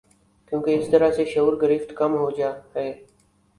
کیونکہ اس طرح سے شعور گرفت کم ہو ج ہے